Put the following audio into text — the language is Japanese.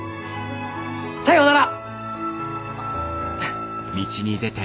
さようなら！